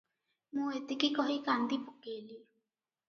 ମୁଁ ଏତିକି କହି କାନ୍ଦି ପକେଇଲି ।"